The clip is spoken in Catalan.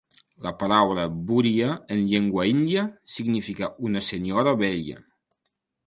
La paraula'buriya'en llengua Índia significa'una senyora vella'.